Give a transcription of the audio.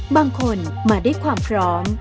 บางคนมาด้วยความพร้อม